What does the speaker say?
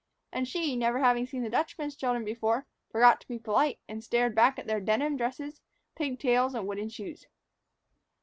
And she, never having seen the Dutchman's children before, forgot to be polite, and stared back at their denim dresses, pigtails, and wooden shoes.